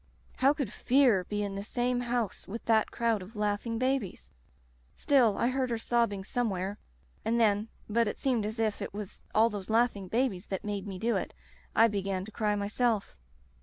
How could Fear be in the same house with that crowd of laughing babies ? Still I heard her sobbing somewhere, and then — ^but it seemed as if it was all those laughing babies that made me do it — I began to cry myself.